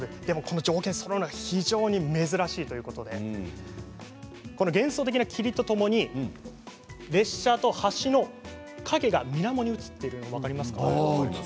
条件がそろうのは非常に珍しいということで幻想的な霧とともに列車と橋の影がみなもに映っているのが分かりますか。